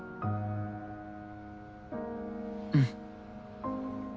うん。